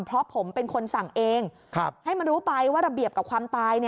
เพราะผมเป็นคนสั่งเองให้มันรู้ไปว่าระเบียบกับความตาย